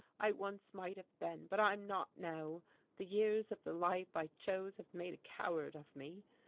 I once might have been; but I'm not now, the years of the life I chose have made a coward of me.